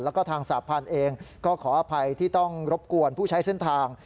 แล้วก็ทางสาพันธ์เองก็ขออภัยที่ต้องรบกวนผู้ใช้เส้นทาง